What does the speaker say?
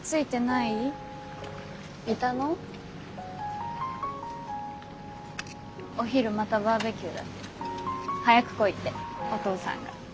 いたの。お昼またバーベキューだって。早く来いってお父さんが。